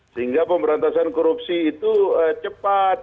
sehingga pemberantasan korupsi itu cepat